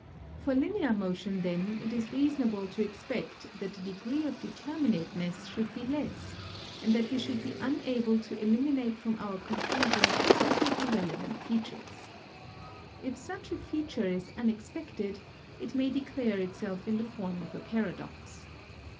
For linear motion, then, it is reasonable to expect that the degree of determinateness should be less, and that we should be unable to ehminate from our conclusions certain irrelevant features. If such a feature is unex pected, it may declare itself in the form of a paradox.